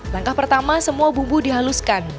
langkah pertama semua bumbu dihaluskan